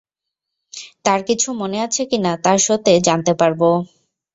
তার কিছু মনে আছে কিনা তা শোতে জানতে পারবো।